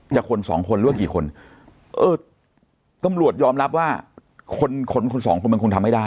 คนสองคนหรือว่ากี่คนเออตำรวจยอมรับว่าคนคนสองคนมันคงทำไม่ได้